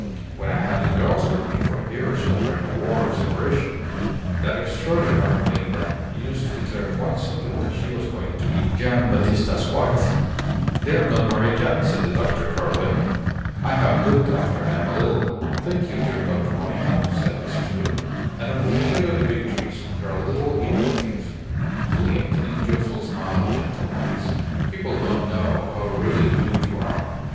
When I had the girls with me for a year or so during the War of Separation, that extraordinary Linda used to declare quite simply that she was going to be Gian' Battista's wife." "They are not married yet," said the doctor, curtly. "I have looked after them a little." "Thank you, dear Dr. Monygham," said Mrs. Gould; and under the shade of the big trees her little, even teeth gleamed in a youthful smile of gentle malice. "People don't know how really good you are.